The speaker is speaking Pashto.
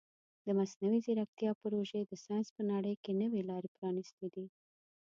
د مصنوعي ځیرکتیا پروژې د ساینس په نړۍ کې نوې لارې پرانیستې دي.